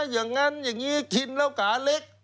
อย่างนั้นอย่างนี้กินแล้วกาเล็ก